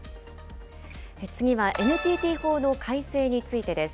次はＮＴＴ法の改正についてです。